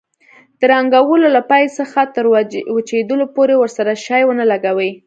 د رنګولو له پای څخه تر وچېدلو پورې ورسره شی ونه لګوئ.